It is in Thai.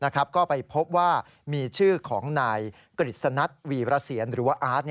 ก็ไปพบว่ามีชื่อของนายกฤษณัทวีรเสียนหรือว่าอาร์ต